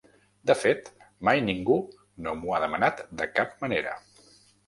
De fet, mai ningú no m'ho ha demanat de cap manera.